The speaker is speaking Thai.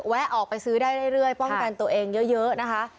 แวะออกไปซื้อได้เรื่อยป้องกันตัวเองเยอะนะคะ